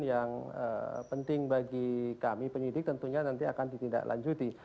yang penting bagi kami penyidik tentunya nanti akan ditindaklanjuti